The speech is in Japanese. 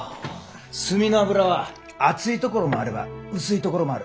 墨の油は厚いところもあれば薄いところもある。